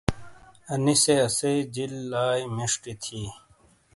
انی سے اسی جیل لائی مݜٹی تھیی۔